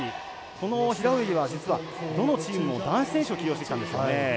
この平泳ぎは、実はどのチームも男子選手を起用してきたんですね。